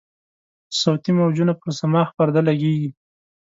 صوتي موجونه پر صماخ پرده لګیږي.